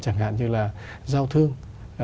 chẳng hạn như là giao thương